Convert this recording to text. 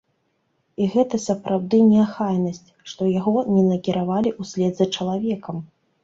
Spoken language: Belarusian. І гэта сапраўды неахайнасць, што яго не накіравалі ўслед за чалавекам.